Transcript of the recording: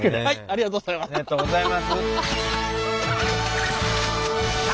ありがとうございます。